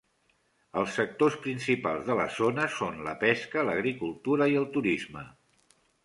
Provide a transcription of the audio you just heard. Els sectors principals de la zona són la pesca, l'agricultura i el turisme.